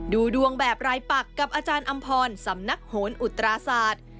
ดูดวงแบบรายปักกับอาจารย์อำพรสำนักโหนอุตราศาสตร์